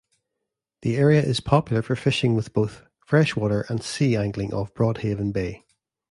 The area is popular for fishing, with both fresh-water and sea-angling off Broadhaven Bay.